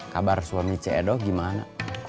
kabar suami c e doh gimana